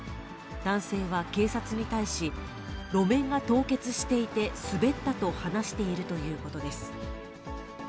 男性は警察に対し、路面が凍結していて滑ったと話しているということです。